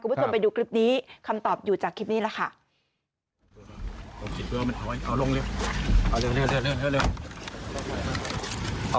คุณผู้ชมไปดูคลิปนี้คำตอบอยู่จากคลิปนี้แล้วค่ะ